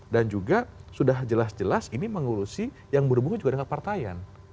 dan juga sudah jelas jelas ini mengurusi yang berhubungan juga dengan partaian